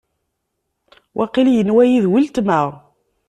Waqil yenwa-yi d uletma.